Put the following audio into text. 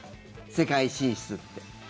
世界進出って。